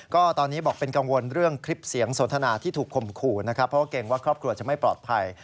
ก็ตอนนี้บอกเป็นกังวลเรื่องคลิปเสียงสนทนาที่ถูกข่มขู่นะครับเพราะเกรงว่าครอบครัวจะไม่ปลอดภัย